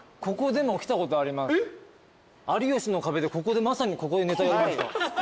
『有吉の壁』でまさにここでネタやりました。